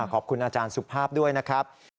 ขอบคุณอาจารย์สุภาพด้วยนะครับ